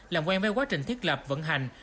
làm quen với quá trình thiết lập vận hành